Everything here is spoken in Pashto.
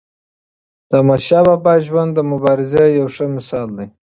د احمدشاه بابا ژوند د مبارزې یو ښه مثال دی.